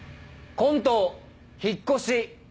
コント「引っ越し」。